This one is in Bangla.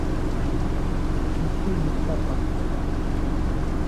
নিশ্চয়ই নিস্তার পাচ্ছো।